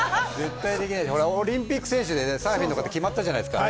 オリンピックでサーフィン決まったじゃないですか。